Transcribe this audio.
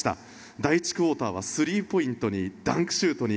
第１クオーターはスリーポイントにダンクシュートに